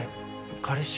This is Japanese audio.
彼氏？